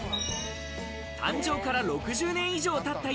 誕生から６０年以上たった